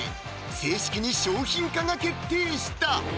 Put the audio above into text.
正式に商品化が決定した！